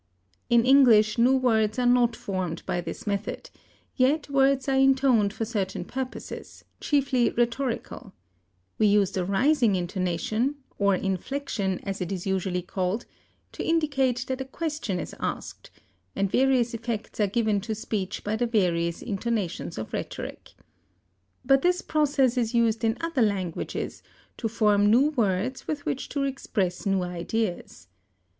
In English, new words are not formed by this method, yet words are intoned for certain purposes, chiefly rhetorical. We use the rising intonation (or inflection, as it is usually called) to indicate that a question is asked, and various effects are given to speech by the various intonations of rhetoric. But this process is used in other languages to form new words with which to express new ideas.